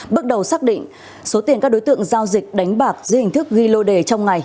bước đầu xác định số tiền các đối tượng giao dịch đánh bạc dưới hình thức ghi lô đề trong ngày